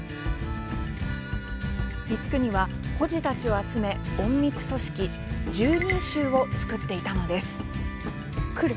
光圀は、孤児たちを集め隠密組織拾人衆を作っていたのです。